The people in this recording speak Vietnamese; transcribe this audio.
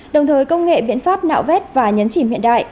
đồng thời công nghệ biện pháp nạo vét và nhấn chìm hiện đại